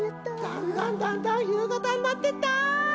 だんだんだんだんゆうがたになってった。